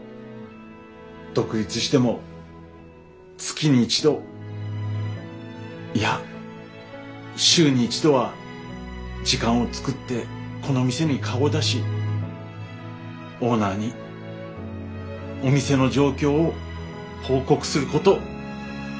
独立しても月に一度いや週に一度は時間を作ってこの店に顔を出しオーナーにお店の状況を報告すること。